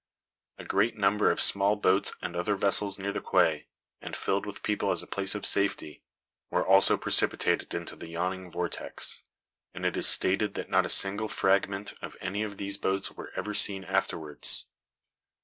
A great number of small boats and other vessels near the quay, and filled with people as a place of safety, were also precipitated into the yawning vortex; and it is stated that not a single fragment of any of these boats was ever seen afterwards.